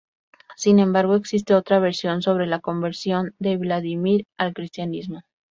Sin embargo, existe otra versión sobre la conversión de Vladimiro al cristianismo.